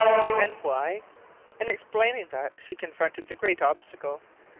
Ah, why? In explaining that she confronted the great obstacle.